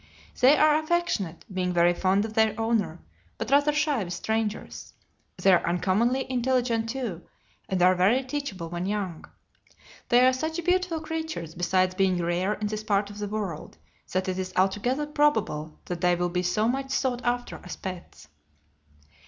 They are affectionate, being very fond of their owner, but rather shy with strangers. They are uncommonly intelligent, too, and are very teachable when young. They are such beautiful creatures, besides being rare in this part of the world, that it is altogether probable that they will be much sought after as pets.